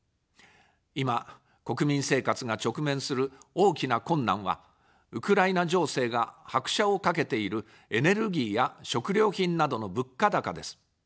今、国民生活が直面する大きな困難は、ウクライナ情勢が拍車をかけているエネルギーや食料品などの物価高です。